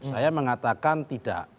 saya mengatakan tidak